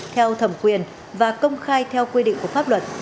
theo thẩm quyền và công khai theo quy định của pháp luật